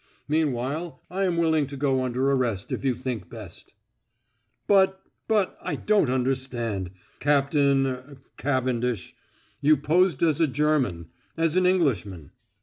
Meanwhile I am willing to go under arrest if you think best." "But but I don't understand, Captain er Cavendish. You posed as a German as an Englishman."